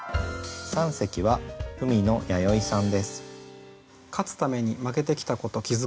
三席は文野やよいさんです。